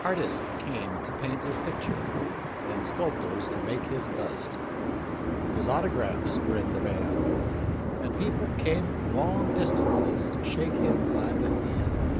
Artists came to paint his picture, and sculptors to make his bust. His auto graphs were in demand, and people came long dis tances to shake him by the hand.